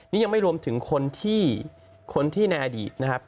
นี่ยังไม่รวมถึงคนที่